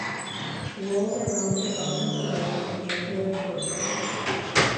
The whorls are rounded above and below an angular periphery.